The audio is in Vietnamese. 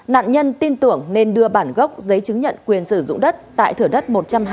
nạn nhân tin tưởng nên đưa bản gốc giấy chứng nhận quyền sử dụng đất tại thửa đất một trăm hai mươi